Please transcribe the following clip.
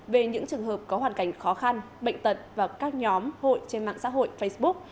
về những trường hợp có hoàn cảnh khó khăn bệnh tật và các nhóm hội trên mạng xã hội facebook